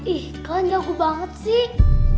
ih kalian jago banget sih